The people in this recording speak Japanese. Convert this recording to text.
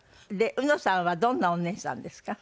うのさんはどんなお姉さんですか？